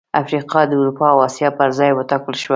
افریقا د اروپا او اسیا پر ځای وټاکل شوه.